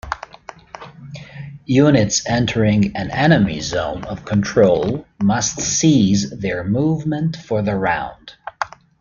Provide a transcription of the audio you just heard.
Units entering an enemy zone of control must cease their movement for the round.